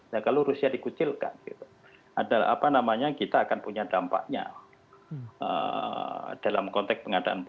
nah kalau rusia dikucilkan gitu apa namanya kita akan punya dampaknya